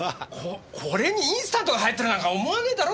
これにインスタントが入ってるなんか思わねえだろ？